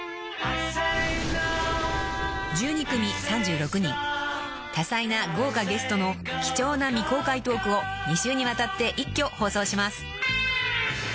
［１２組３６人多彩な豪華ゲストの貴重な未公開トークを２週にわたって一挙放送します］